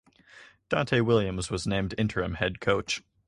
Donte Williams was named interim head coach.